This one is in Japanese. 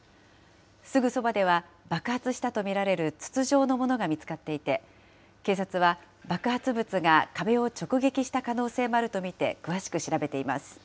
すぐそばでは、爆発したと見られる筒状のものが見つかっていて、警察は、爆発物が壁を直撃した可能性もあると見て、詳しく調べています。